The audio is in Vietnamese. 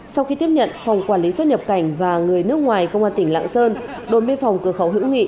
sau khi tiếp nhận phòng quản lý xuất nhập cảnh và người nước ngoài công an tỉnh lạng sơn đồn biên phòng cửa khẩu hữu nghị